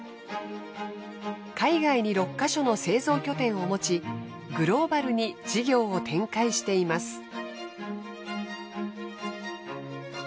海外に６ヵ所の製造拠点を持ちグローバルに事業を展開しています。